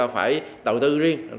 phải đầu tư riêng